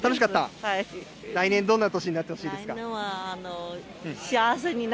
来年、どんな年になってほしいですか？